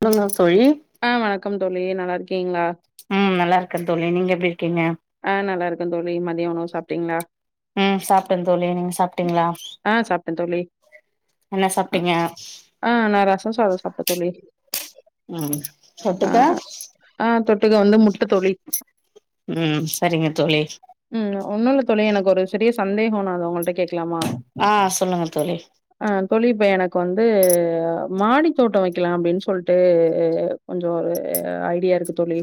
சொல்லுங்க தோழி ஆ வணக்கம் தோழி நல்லா இருக்கீங்களா ம் நல்லா இருக்கந் தோழி நீங்க எப்டி இருக்கீங்க ஆ நல்லா இருக்கந் தோழி மதியோ உணவு சாப்டீங்களா ம் சாப்டந் தோழி நீங்க சாப்டீங்களா ஆ சாப்பிட்டேன் தோழி. என்ன அ சாப்டீங்க ஆ நான் ரசம் சாதம் சாப்பிட்டேன் தோழி. ம் ஆ தொட்டுக்க ஆ தொட்டுக்க வந்து முட்ட தோழி. ம் சரிங்க தோழி ம் ஒண்ணுல்ல தோழி எனக் ஒரு சிறிய சந்தேகோ நா அது உங்கள்ட கேக் ஆ சொல்லுங்க தோழி ஆ தோழி இப்ப எனக்கு வந்து மாடி தோட்டோ வெக்கலா அப்டின் சொல்ட்டு கொஞ்சோ ஒரு ஐடியா இருக்கு தோழி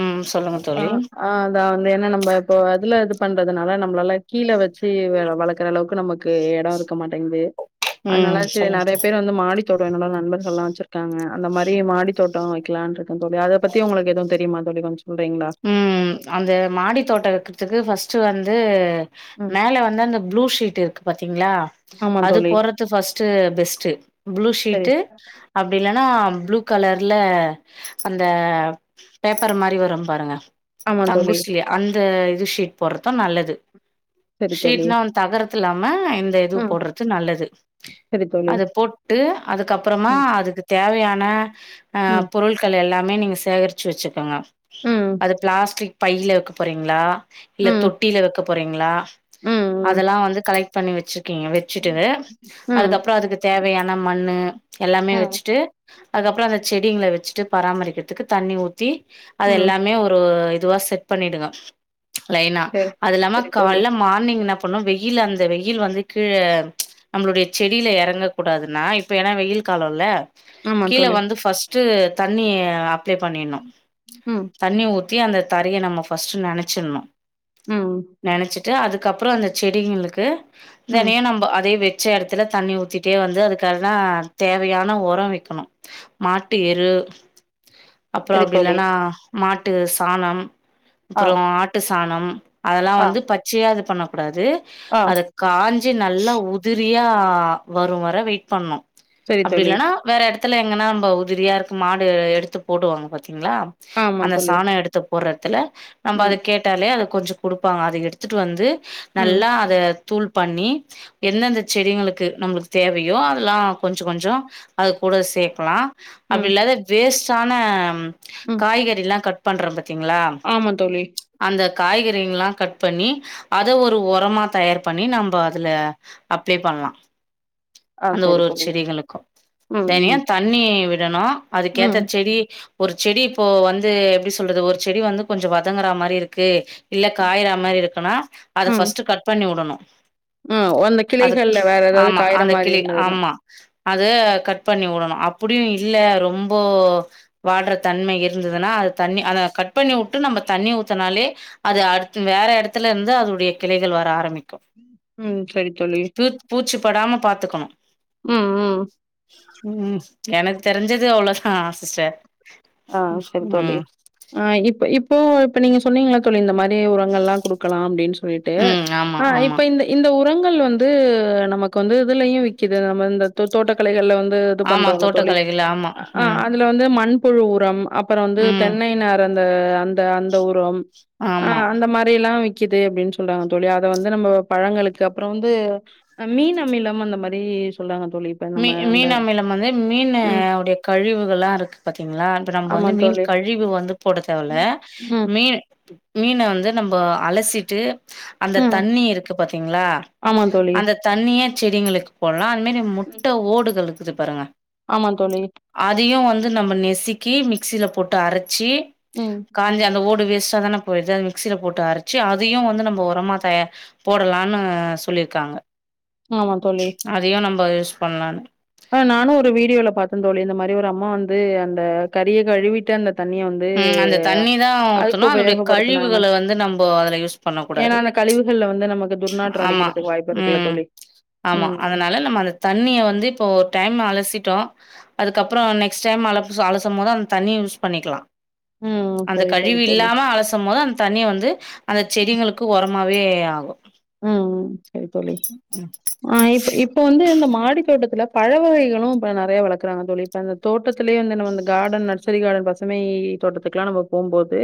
ம் சொல்லுங்க ஆ தோழி ஆ அதா இந்த என்ன நம்ம இப்போ அதுல இது பண்றதுனால நம் னால கீழ வெச்சு பே வெ வளக்குற அளவுக்கு நமக்கு எடோ இருக்க மாட்டேங்குது அதனால ம் சேரி சொல்லுங்க நெறைய பேரு வந்து மாடித்தோட்டோ என்னோட நண்பர்கள் எல்லா வெச்சுருக்காங்க அந்த மாரி மாடித்தோட் டோ வெக்கலான்டு இருக்க தோழி அத பத்தி உங்களுக்கு எதும் தெரியுமா தோழி கொஞ் ம் அந்த மாடி தோட்டோ வெக்குறதுக்கு ஃபஸ்ட்டு வந்து ம் மேல வந்து அந்த ப்ளூ ஷீட் இருக்கு பார்த் பார்த்திங்களா ஆமா அது தோழி போறது பர்ஸ்ட் பெஸ்ட்டு ப்ளூ சரி ஷீட அப்படி இல்லன்னா ப்ளூ கலர்ல அந்த பேப்பர் மாதிரி வரும் பாருங்க ஆமா தோழி டங்குசிலி அன் இந்த இது ஷீட் போடுறது தான் நல்லது சரி தோழி சீட் நான் வந்து தங்குறதுக்கு அது இல்லாம இந்த இது ம் போடுறது நல்லது சரி தோழி அது போட்டு அதுக்கப்புறமா ம் அதுக்கு தேவையான அ ஆஹ் ம் பொருட்கள் எல்லாம் அ நீங்கள் சேகரிச்சு வச்சுக்கோங்க ம் அது பிளாஸ்டிக் பையில்ல வைக்க போகிறீங்களா இல்ல ம் தொட்டில வைக்க போறீங்களா ம் ம் அதெல்லாம் வந்து கலெ பண்ணி வச்சு ஒகே க வச்சுட்டு ம் அதுக்கப்புறம் அதுக்கு தேவையான நம்ம மண்ணு எல்லாமே ம் வச்சிட்டு அதுக்கப்புறம் அந்த செடிங்களை வெச்சிட்டு பராமரிக்கிறதுக்கு தண்ணி ஊத்தி அது ம் எல்லாமே ஒரு அதுவா செட் பண்ணிடுவா லைனா சரி அது இல்லாம சரி தோழி கால மார்னிங்ன் அப்னா வெயில் அந்த வெயில் வந்து கீழ நம்மளுடைய செடியில இறங்க கூடாதுன்னா இப்ப ஏன்னா வெயில் காலம்ல்ல ஆமா கீழ தோழி வந்து பர்ஸ்ட் ட்டு தண்ணி அப் ளே பண்ணிணு ம் தண்ணி ஊ த்தி அந்த தரைய நம்ம ஃபஸ்ட்டு நெனச்சிர்னு ம் நெனச்சு ட்டு அதுக்கப்புற அந்த செடிங்களுக்கு ம் தெனயு நம்ப அதே வெ ச்ச எடத்துல தண்ணி ஊத்திட்டே வந்து அதுக்கால்லா தேவையான ஒர வக்கணு மாட்டு எரு அப்புறொ சரி அப்டில்ல தோழி மாட்டு சாணம் ஆ அப்புறொ ஆட்டு சாணம் அதெலா ஆ வந்து பச்சையாது பண்ணகூடாது ஆ அத காஞ்சி நல்லா உதிரி யா வரு வர வெயிட் பண்ணு சரி தோழி அப்டில்லனா வேற எட த்துல்ல எங்கன்னாம்ப உதிரியா இருக்கு மாடு எடுத்து போடுவாங்க பாத்தீங்ளா ஆமா அந்த தோழி சாண எடுத்து போறத்துல நம்ப அது ம் கேட்டாலே அது கொஞ்சொ குடுப்பாங்க அத எடுத்துட்டு வந்து ம் நல்லா அத தூள் பண்ணி எந்தெந்த செடிங்களுக்கு நம்ளுக்கு தேவையோ அதல்லா கொஞ்சொ கொஞ்சொ அது கூட சேக்கலா ம் அப்டில்லாத வேஸ் ட்டான ம் காய்கறில்லா கட் பண்றம்ப த்திங்ளா ஆமா தோழி அந்த காய்கறிங்கல்லா கட் பண்ணி அத ஒரு ஒரமா தயார் பண்ணி நம்ப அதுல அப்ளே பண்லா ஆ அந்த சரி ஒரு ஒரு தோழி செடிகளுக்கும் ம் ம் தெனம் தண்ணி விடணும் அதுக்கேத்த ம். செடி ஒரு செடி இப்போ வந்து எப்படி சொல்றது ஒரு செடி வந்து கொஞ்சம் வதங்குற மாரி இருக்கு இல்ல காயறா மாரி இருக்குன்னா அத ஃபஸ்ட்டு கட் பண்ணி உடணும் ஆ அந்த கிளைகள்ல வேற எதாவது ஆமா காயற அந்த மாரி கிளி இருந்ததுன்னா ஆமா அத கட் பண்ணி உடணும் அப்படியும் இல்ல ரொம்போ வாடற தன்மை இரு இருந்ததுன்னா அது தண்ணி அத கட் பண்ணி உட்டு நம்ப தண்ணி ஊத்தனாலே அது அடுத்து வேற எடத்துல இருந்து அதுடைய கிளைகள் வர ஆரம்பிக் ம். சரி தோழி. ப பூச்சி படாம பாத்துக்கணும் ம். ம். ம் எனக்கு தெரிஞ்சது அவ்ளோதா சிஸ்டர் ஆ சரி தோழி ம் ஆ இப்ப இப்போ இப்ப நீங்க சொன்னீங்க இல்ல தோழி இந்த மாரி இதே உரங்கல்லாம் கொடுக்கலாம் அப்படின் சொல்லிட்டு ம் ஆமா ஆ ஆமா இப்ப இந்த இந்த ஊர் உரங்கள் வந்து நமக்கு வந்து இதுலயும் விக்கிது அது நம்ம இந்த தோ தோட்டக்கலைகள்ல வந்து து இது ஆமா பண்றோம் இல்ல தோழி தோட்டக்கலைகள் ஆமா ஆ ம் அதுல வந்து மண் புழு உரம் அப்பறம் வந்து ம் தென்னை நார வந் து அந் த அந்த உரம் அ ஆமா அந்த மாரியெல்லாம் விக் கிது அப்டின் சொல்றாங்க தோழி அத வந்து நம்ம பழங்களுக்கு அப்றோம் வந்து மீன் அமிலம் அந்த மாரி சொல்றாங்க தோழி. இப்ப மீ நம்ம அந்த மீன் அமிலம் வந்து மீன ம். உடைய கழிவுகலாம் இருக்கு பாத்தீங்களா இப்ப நம்ப ஆமா வந்து மீன் தோழி. கழிவு வந்து போட தேவ இல்ல ம், மீன் மீன வந்து நம்ப அலசிட்டு அந்த ம். தண்ணி இருக்கு பாத்தீங்களா ஆமா தோழி. அந்த தண்ணிய செடிங்களுக்கு போடலாம் அந்த மேரி ம். முட்ட ஓடுகள் கிது பாருங்க ஆமா தோழி அதையு வந்து நம்ம நெசுக்கி மிக்சியில போட்டு அரச் ச்சி ம். காஞ்சி அந்த ஓட் இது வேஸ்டா தான போயிடு அது மிக்சில போட்டு அரைச்சு அதையு வந்து நம்போ உரமா தய போடலான்னு சொல்லிருக்காங்க ஆமா தோழி பயஸ் பண்லான்டு ஆ நானும் ஒரு வீடியோல பாத்தந்தோழி இந்த மாரி ஒரு அம்மா வந்து அந்த கறிய கழுவிட்டு அந்த தண்ணிய வந்து ம் அந்த தண்ணிதா அதுக்கு ஊத்தனு அதோடைய உபயோகப்படுத்துனாங்க. கழிவுகள வந்து நம்போ அதுல யூஸ் பண்ண ஏன்னா கூடாது அந்த கழிவுகள்ல வந்து நமக்கு துர்நாற்றம் ஆமா அடிக்கிறதுக்கு வாய்ப்பு இருக்குல்ல ம் தோழி. ஆமா ம், ம். அதனால நம்ம அந்த தண்ணிய வந்து இப்போ டைம் அலசிட்டோ அதுக்கப்றோ நெக்ஸ்ட் டைம் அலசு அலசும் போதும் அந்த தண்ணிய யூஸ் பண்ணிக்கலா ம் அந்த சரி, சரி கழிவு தோழி. இல்லாம அலசும் போது அந்த தண்ணிய வந்து அந்த செடிங்களுக்கு ஒரம் சும்மாவே ஆகு ம் ம் செரி தோழி ஆ இப் இப்ப வந்து இந்த மாடி தோட்டத்துலப் பழ வகைகளும் இப்ப நறைய வளக்றாங்க தோழி இப்ப அந்த தோட்டத்திலேயே வந்து நம்ம அந்த கார்டன் நர்சரி கார்டன் பசுமை தோட்டத்துக்கெல்லா நம்ம போம்போது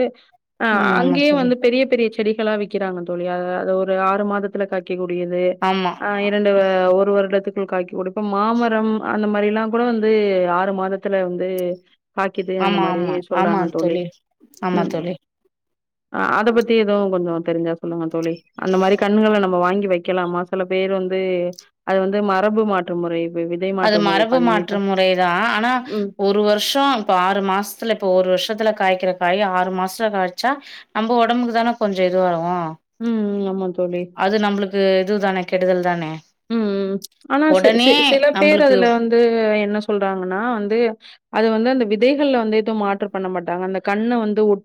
ஆ ம். ஆமா அங்கேயே தோழி. வந்து பெரிய பெரிய செ செடிகளா விக்கிறாங்க தோழி அத அத ஒரு அது ஆறு மாதத்துல காய்க்கி எகுடியது ஆமா. ஆ இரண்டு ஒரு வருடத்துக் ஏ காய்க்கி உடு இப்ப மாமரம் அந்த மாரிலா கூட வந்து ஆறு மாதத்துல வந்து காய்க்கிது அந்த ஆமா, மாரி ஆமா. ஆமா சொல்றாங்க தோழி ஆமா ம் தோழி. ஆ அத பத்தி எதுவு கொஞ்சோ தெரிஞ்சா சொல்லுங்க தோழி அந்த மாரி கண்ணுகள நம்ம வாங்கி வெக்கலாமா சில பேர் வந்து அது வந்து மரபு மாற்று முறை வி விதை அது மாற்று முறை மரபு பண்ணி ப மாற்று முறைதா ஆனா ம் ஒரு வருஷோ இப்ப ஆறு மாஸ்த்துல இப்ப ஒரு வருஷத்துல காய்க்கிற காய் ஆறு மாச காய்ச்சா நம்ம உடம்புக்கு தான கொஞ்சோ இதுவாருக்கும் ம் ம் ஆமா தோழி அது நம்ளுக்கு இதுதானே கெடுதல் தானே ம் ம் ஆனா சி சி உடனே சிலப் பேரு நம்பளுக்கு அதுல வந்து என்ன சொ சொல்றாங்கன்னா வந்து அது வந்து அந்த விதைகள்ல வந்து எதுவும் மாற்று பண்ண மாட்டாங்க அந்த கண்ண வந்து ஒட்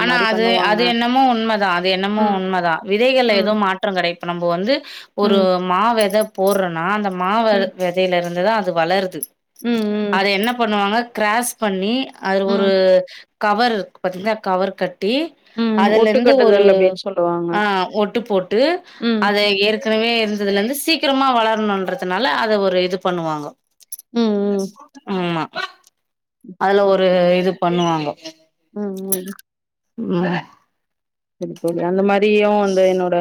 ஆனா அது அது என்னமோ உண்ம தா அது என்னமோ ம் உண்ம தா விதைகள்ல ம் எதுவு மாற்றம் கடை இப்போ நம்ம வந்து ஒரு ம் மா வெத போட்றனா அந்தம் மா வெத ம் வெதேலருந் இதுதா அது வளர்து அத ம் என்ன பண்ணுவாங்க கிராஸ் பண்ணி அதுல ம் ஒரு ம் கவர் பாத்தீங்கன்னா கவர் கட் ட்டி ம் ஒட்டு அதுலந்து ஒரு கட்டுதல் அப்டின்னு சொல்லுவாங்க ஆ ஓட்டு போட்டு ம் அத ஏற்கனவே த்துதல இருந்து சீக்கிரமா வளரனுன்றதுனால அத ஒரு இது பண்ணுவாங்க ம் ம்மா அதுல ம் ஒரு இது பண்ணுவாங்கோ ம் ம் ம் சேரி தோழி அந்த மாரி தியு அந்த என்னோட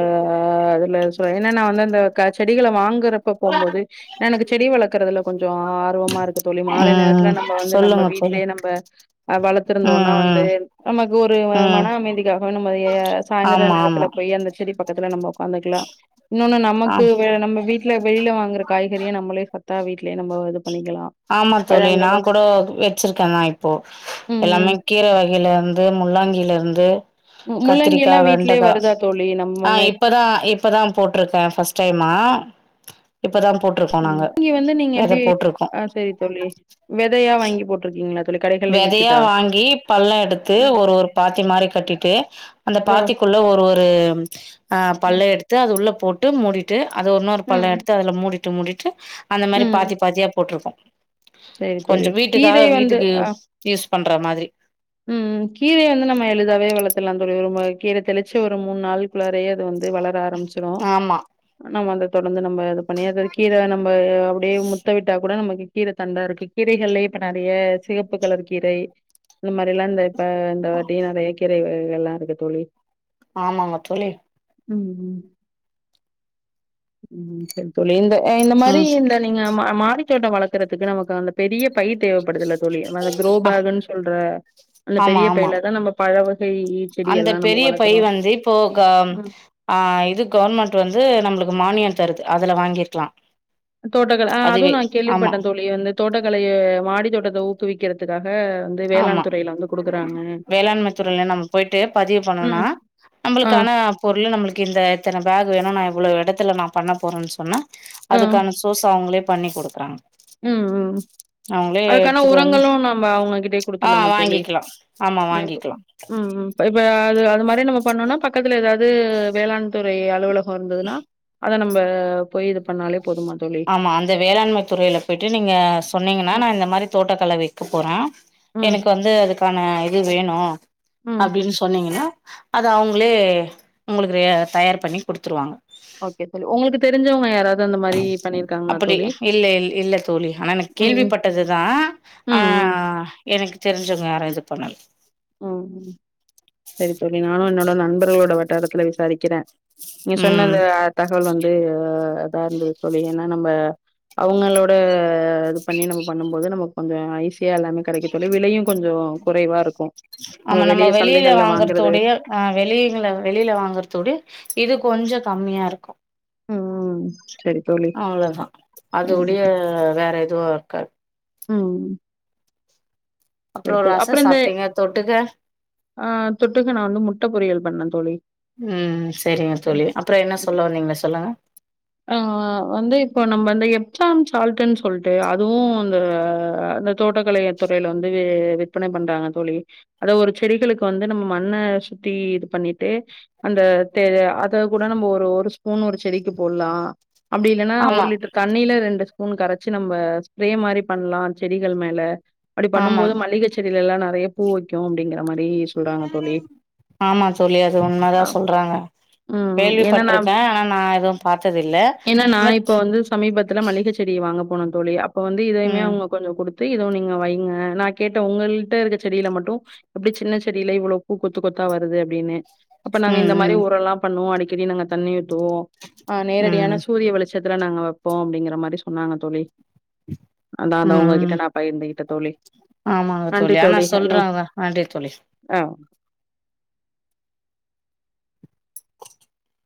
அதுல சொ ஏன்ன நா வந்து அந்த க்கா செடிகளவாங் ங்கர அப்ப போம்போது எனக்கு செடி வளர்க்கறதுல கொஞ்சோ ஆர்வமா இருக்கு தோழி மாலை நேரத்துல ம் நம்ப வந்து நம்ம சொல்லுங்க தோழி. வீட்டிலேயே நம்ப வளர்த்துருந்தோன்னா வந்து ம் நம்ம க் ஒரு ம் ம். மன அமைதிக்காக நம்ம கேய சாயந்திர ஆமா நேரத்தில ஆமா போய் அந்த செடி பக்கத்தில நம்ம உட்காந்துக்கலா இன்னொன்னு ஆ நமக்கு வே நம்ம வீட் ட்டுல வெளியில வாங்குற காய்கறிய நம்மளே சத்தா வீட்டிலே நம்போ இது பண்ணிக்கலாம். ஆமா தோழி நா பழங்களும் கூடோ வச்சிருக்கே தா இப்போ ம், எல்லாமே ம். கீரை வகையில இந்து முள்ளங்கில இருந்து கத்திரிக்கா முள்ளங்கில்லா வீட்லே வெண்டக்கா வருதா தோழி நம்ம மண்ணே ஆ இப்பதா இப்பதா போட்டிருக்கே பஸ்ட் டைமா இப்பதா போட் இங்கி வந்து நீங்க எப்பிடி ஆ சரித் தோழி வெதயா வாங்கி போட்டிரிக்கீங்க வெதையா வாங்கி பள்ளோ எடுத்து ம் ஒரு ஒரு பாத்தி மாரி கட்டிட்டு அந்த ஓ பாத்திக்குள்ள ஒரு ஒரு ஆ ம் பள்ளோ எடுத்து அது உள்ள போட் ட்டு மூடிட்டு அது இன்னொரு பள்ளோ ம் எடுத்து அதுல மூடி ட்டு முடிட்டு அந்த மாதிரி பாத்தி பாத்தியா போட்டிருக்கோம் செரி தோழி கீரை வந்து வீட்டுக்கு ஹா யூஸ் பண்ற மாதிரி உம் கீரை வந்து நம்ம எளிதாவே வளர்த்தலாம் தோழி ரொம் கீர தெளிச்ச ஒரு மூணு நாள் குள்ளாரே அது வந்து வளர ஆரம்பிச்சிடும் ஆமா நம்ம அந்த தொடர்ந்து நம்ம இது பண்ணி அத கீர நம்ம அப்டியே முத்த விட்டா கூட நமக்கு கீர தண்டா இருக்கு கீரைகளிலயே இப்ப நறைய சிகப்பு கலர் கீரை இந்த மாதிரி எல்லா இந்த அப்ப இந்த வாட்டி நறைய கீரை எல்லா இருக்கு தோழி ஆமாங்க தோழி உம் உம் உம் செரி தோழி இங்க இந்த மாதிரி ம் இந்த நீங்க மாடி தோட்டம் வளர்க்கறதுக்கு நமக்கு அந்த பெரிய பை தேவைப்படுது தோழி க்ரோ ஆ பேக்ன்னு சொல்ற அந்த ஆமா பெரிய ஆமா பையில தா நம்ம பரவு அந்த பெரிய பை வந்து இப்போ க ம் ஹா இது கவர்மெண்ட் வந்து நம்மளுக்கு மானியம் தருது அதல வாங்கிருக்கலாம் தோட்டகல ஹா அதுவும் நா கேள்விப்பட்டேன் தோழி வந்து தோட்டக்கலய மாடி தோட்டத்த ஊக்குவிக் கறதுக்கா ஆமா வேளாண்மை துறையில நம்ம போயிட்டு பதிவு பண்ணும் ம் ஆ நம்மளுக்கான பொருள் நம்மளுக்கு இந்த இத்தனை பேக் வேணும் நா எவ்வளவு வேணும் இடத்துல நா பண்ண போறேன்னு சொன்ன அதுக்கான சோஸ் அவுங்களே பண்ணி கொடுக்குறாங்க உம் உம் அதுக்கான உரங்களும் நாம அவுங்ககிட்ட ஹா வாங்கிக்கலாம் ஆமா வாங்கிக்கலாம் ப்ப அது அது மாரி நம்ம பண்ணோன்னா பக்கத்தில ஏதாவது வேளாண் துறை அலுவல கோ இருந்ததுன்னா அத நம்ம போய் இது பண்ணாலே போதுமா தோழி ஆமா அந்த வேளாண்மை துறைல போய்ட்டு நீங்க சொன்னீங்கன்னா ம் நா இந்த மாரி தோட்டக்கலை வை க்கப்போறே ம் எனக்கு வந்து அதுக் கான இது வேணு ம் அப்டின்னு சொன்னீங்கன்னா அது அவங்களே உங்களுக்கு ஆ தயார் பண்ணி குடுத்துருவாங்க. ஓகே தோழி உங்களுக்கு தெரிஞ்சவங்க யாராவது அந்த மாரி பண்ணிரு அப்படி இல்ல இல் இல்ல தோழி ஆனா நா ம் கேள்விப்பட்டதுதா ஆ ம் ம் எனக்கு தெரிஞ்சவங்க யாரு இது பண்ணல. ம் ம் சரி தோழி நானு என்னோ ட நண்பர்களோட வட்டாரத்துல விசாரிக்கறே நீங்க சொன்ன ம் அந்த தகவல் வந்து ஆ இதா இருந்தது தோழி ஏன்னா நம்ம அவங்களோட இது பண்ணி நம்ம பண்ணும் போது நமக்கு கொஞ்சோ ஈசியா எல்லாமே கெடைக்கு தோழி விலையு கொஞ்சோ குறைவா இரு க்கு நம்ம வெளிய சந்தை வாங்கறத விடயு ஆ வெளியில வெளியில வாங்கறத விட இது கொஞ்சோ கம்மியா இருக்கு ம் சரி தோழி அவ்ளோதா அது ம் உடைய வேற இதுவா இருக்காது ம் அப்றோ சரி தோழி ரசோ அப்புற இந்த சாப்ட்டீங்க தொட்டுக்க? ஆ தொட்டுக்க நா வந்து முட்ட பொரியல் பண்ணே தோழி ம் செரிங்க தோழி அப்றோ என்ன சொல்ல வந்தீங்க சொல்லுங்க. ஆ வந்து இப்போ நம்ம இந்த எப்சாம் சால்ட்டுன்னு சொல்ட்டு அதுவு அந்த அந்த தோட்டக்கலைய துறைல வந்து விற்பனை பண்றாங்க தோழி. அத ஒரு செடிகளுக்கு வந்து நம்ம மண்ண சுத்தி இது பண்ணிட்டு அந்த தே அத கூட நம்ம ஒரு ஒரு ஸ்பூன் ஒரு செடிக்கு போட்லா அப்டி இல்லன்னா ஒரு ஆமா லிட்டர் தண்ணில ரெண்டு ஸ்பூன் கரைச்சு நம்ம ஸ்ப்ரே மாரி பண்லா செடிகள் மேல அப்டி பண்ணும் ஆமா போது மல்லிகை செடில எல்லா நெறைய பூ வெக்கு அப்டிங்குறா ஆமா தோழி அது உண்மதா அ சொல்றாங்க கேள்விப்பட்ருக்க ஆனா நா எதும் பாத் என்னன்னா இப்போ வந்து சமீபத்துல மள்ளிக செடி வாங் அங்க போனோந் தோழி அப் இப்ப வந்து இதையுமே ம் அவங்க கொஞ்சோ குடுத் ட்டு இத ஒண்ணு நீங்க வைங்க நா கேட்ட உங்கள்ட்ட இருக்க செடில மட்டு எப்டி சின்ன செடில இவ்ளோ பூ கொத்து கொத்தா வருது அப்டின்னு அப்ப நாங்க ம் இந்த மாரி ம் ஊரெல்லா‌ பண்ணுவோ அப்டி திரி நாங்க தண்ணி உட்ருவோ ஆ ம் நேரடியான ம் சூரிய வெளுச்சத் இதுல நாங்க வெப்போ அப்டிங்குற மாரி சொன்னாங்க தோழி அதா அதா உங்ககிட்ட ம் நா பகிர்ந்துகிட்ட தோழி ஆமாங்க நன்றி ஆனா தோழி நீ சொல்றாங்க நன்றி தோழி ஆ